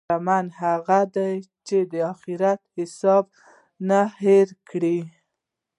شتمن هغه دی چې د اخرت حساب نه هېر کړي.